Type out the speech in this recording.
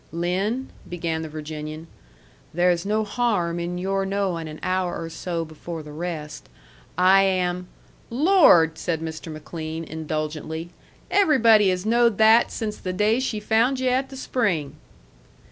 "Lin," began the Virginian, "there is no harm in your knowing an hour or so before the rest, I am " "Lord!" said Mr. McLean, indulgently. "Everybody has knowed that since the day she found yu' at the spring."